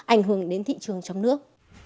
ảnh hưởng đến thị trường trong nước